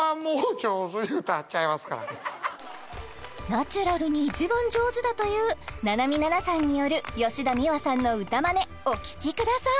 ナチュラルに一番上手だというななみななさんによる吉田美和さんの歌まねお聴きください